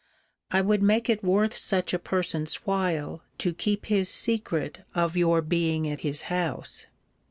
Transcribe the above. I would make it worth such a person's while to keep his secret of your being at his house.